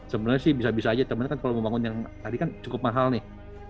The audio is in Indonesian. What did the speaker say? sebenarnya sih bisa bisa aja tapi kalau membangun yang tadi kan cukup mahal nih